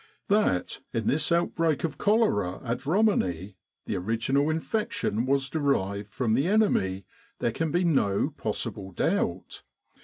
That, in this outbreak of cholera at Roman i, the original infection was derived from the enemy, there can be no possible doubt.